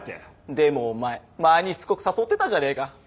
でもお前前にしつこく誘ってたじゃねえか。